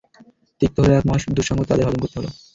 তিক্ত হলেও এক মহা দুঃসংবাদ তাদের হজম করতে হলো।